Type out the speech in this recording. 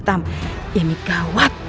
semang hitam ini gawat